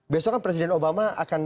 besok kan presiden obama akan